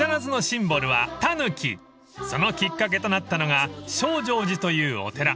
［そのきっかけとなったのが證誠寺というお寺］